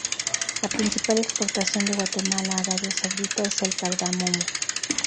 La principal exportación de Guatemala a Arabia Saudita es el cardamomo.